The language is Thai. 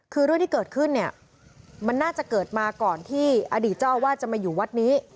คือเรื่องที่เกิดขึ้นเนี่ยมันน่าจะเกิดมาก่อนที่อดีตเจ้าอาวาสจะมาอยู่วัดนี้